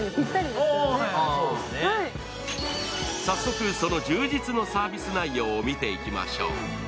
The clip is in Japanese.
早速、その充実のサービス内容を見ていきましょう。